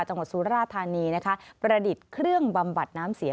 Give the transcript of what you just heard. สุราธานีนะคะประดิษฐ์เครื่องบำบัดน้ำเสีย